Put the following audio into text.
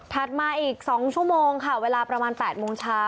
มาอีก๒ชั่วโมงค่ะเวลาประมาณ๘โมงเช้า